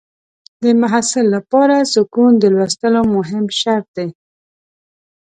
د محصل لپاره سکون د لوستلو مهم شرط دی.